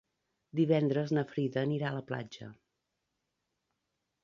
Divendres na Frida anirà a la platja.